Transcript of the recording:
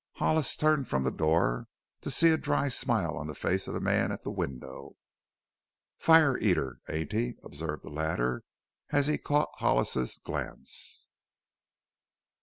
Hollis turned from the door to see a dry smile on the face of the man at the window. "Fire eater, ain't he?" observed the latter, as he caught Hollis's glance.